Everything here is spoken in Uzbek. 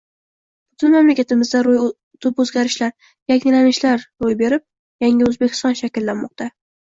Bugun mamlakatimizda tub oʻzgarishlar, yangilanishlar roʻy berib, yangi Oʻzbekiston shakllanmoqda.